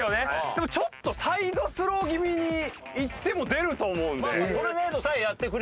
でもちょっとサイドスロー気味にいっても出ると思うんで。ですよね？